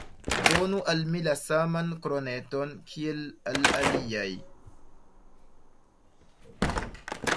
Donu al mi la saman kroneton, kiel al aliaj!